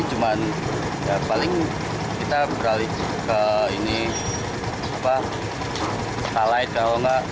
cuman ya paling kita beralih ke ini apa tali kalau enggak